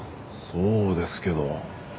そうですけど。